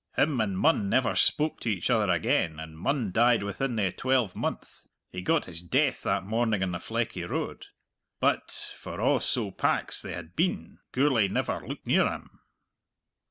Him and Munn never spoke to each other again, and Munn died within the twelvemonth he got his death that morning on the Fleckie Road. But, for a' so pack's they had been, Gourlay never looked near him."